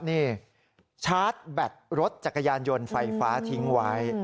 นี่ชาร์จแบตรถจักรยานยนต์ไฟฟ้าทิ้งไว้